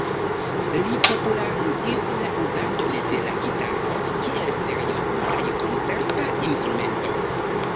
Li popularigis la uzadon de la gitaro kiel serioza kaj koncerta instrumento.